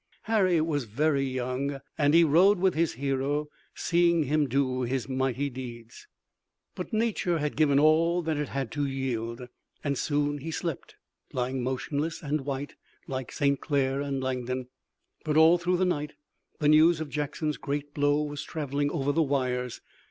Harry was very young and he rode with his hero, seeing him do his mighty deeds. But nature had given all that it had to yield, and soon he slept, lying motionless and white like St. Clair and Langdon. But all through the night the news of Jackson's great blow was traveling over the wires.